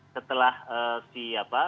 setelah si apa